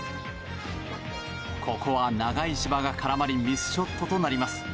ここは長い芝が絡まりミスショットとなります。